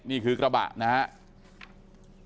นี่คือกระบะฮะที่ตำรวจไปดักจับคนร้ายและถูกชน